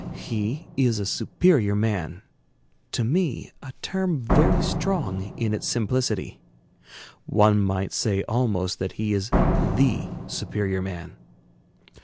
He is a superior man, to me a term very strong in its simplicity; one might say almost that he is the superior man.